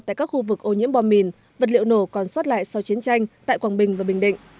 tại các khu vực ô nhiễm bom mìn vật liệu nổ còn sót lại sau chiến tranh tại quảng bình và bình định